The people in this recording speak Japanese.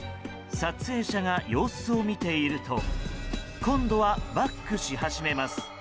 撮影者が様子を見ていると今度はバックし始めます。